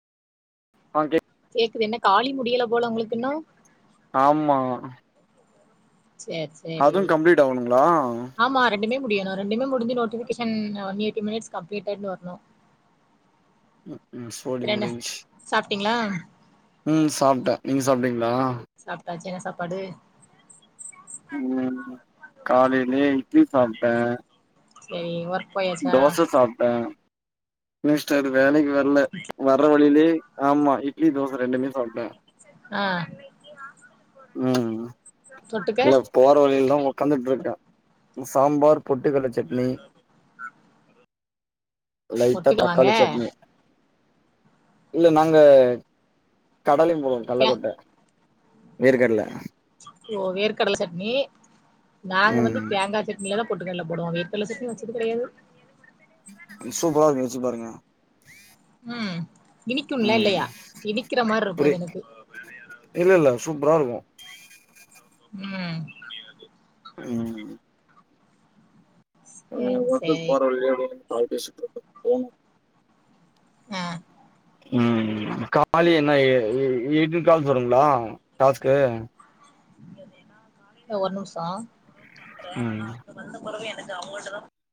ஆகே கேக்குது என்ன காலி முடியல போல உங்களுக்கு இன்னு ஆமா சேர் சேரி அதுவு கம்ப்ளீட் ஆகனுங்களா ஆமா ரெண்டுமே முடியணு ரெண்டுமே முடிஞ்சு நோட்டிஃபிகேஷன் ஒன்எய்ட்டி மினிட்ஸ் கம்ப்ளீட்டட் னு வரணு ம் ம் சோலி ப்றென்ன முடிஞ்சு சாப்ட்டீங்ளா ம் சாப்ட்ட நீங்க சாப்ட்டீங்ளா சாப்டாச்சு என்ன சாப்பாடு ம் காலையிலயே இட்லி சாப்பிட்டே சரி ஒர்க்கு போய தோச சாப்ட மினிஸ்ட்ர் வேலைக்கு வரல வர்ற வழியிலயே ஆமா இட்லி தோச ரெண்டுமே சாப்ட ஆ ம் தொட்டுக்க போர வழில தா உட்காந்துட்டு இருக்க சாம்பார் பொட்டுக்கல்ல சட்னி லைட்டா தொட்டுக்க வாங்க தக்காளி சட்னி இல்ல நாங்க கடலையும் போவோம் தே கள்ளக்கோட்ட வேர்கர்கடல ஓ வேர் கடல் சட்னி நாங்க வந்து ம் தேங்கா சட்னி இல்லனா பொட்டுக்கல போடுவ வேர்க சட்னி வச்சது கெடையாது சூப்பராருக்குங்க வச்சு பாருங்க ம் இனிக்கும்ல ம் இல்லையா இனிக்கிற மார்ருக்கு புரி அது எனக்கு இல்ல இல்ல சூப்பரா இருக்கு ம் ம் ஆ சேரி ஒர்க்கு சேரி போற வழியிலே உகந்து கால் பேசிட்ருக்க போனு ஆ ம் கால் என்ன எ எயிட்டின் கால்ஸ் வருங்கங்கள டாஸ்க் கு ஒரு நிமிஷோ ம் வந்த பொறவு எனக்கு அவங்கல்ட் தா